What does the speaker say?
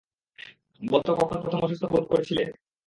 বল তো কখন প্রথম অসুস্থ বোধ করেছিলে?